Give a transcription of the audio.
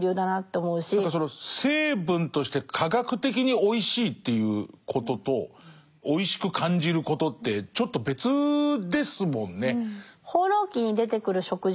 何かその成分として科学的においしいっていうこととおいしく感じることってちょっと別ですもんね。